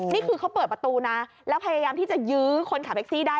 นี่คือเขาเปิดประตูนะแล้วพยายามที่จะยื้อคนขับแท็กซี่ได้